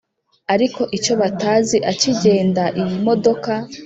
ariko icyo batazi akigenda iyimodoka